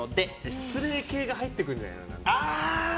失礼系が入ってくるんじゃないの。